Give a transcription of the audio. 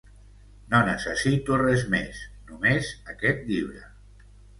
No necessito res més, només aquest llibre.